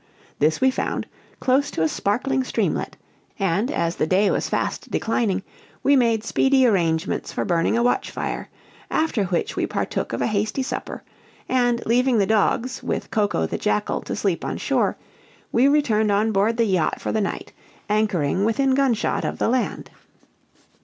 This we found, close to a sparkling streamlet; and, as the day was fast declining, we made speedy arrangements for burning a watch fire; after which we partook of a hasty supper, and leaving the dogs, with Coco, the jackal, to sleep on shore, we returned on board the yacht for the night, anchoring within gunshot of the land.